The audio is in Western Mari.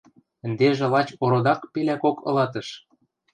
– Ӹндежӹ лач ородак-пелӓкок ылатыш...